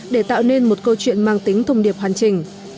để tạo nên một câu chuyện mang tính thùng điệp hoàn trình